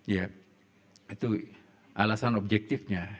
ya itu alasan objektifnya